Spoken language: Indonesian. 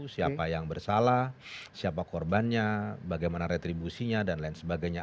siapa yang bersalah siapa korbannya bagaimana retribusinya dan lain sebagainya